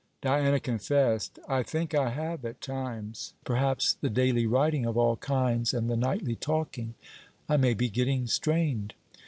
Diana confessed, 'I think I have at times. Perhaps the daily writing of all kinds and the nightly talking... I may be getting strained.'